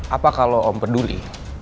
apa kalau om peduli